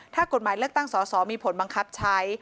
ถ้ากฎหมายเลือกตั้งสอสอมีผลบังคับใช้